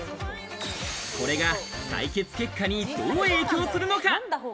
これが採血結果にどう影響するのか？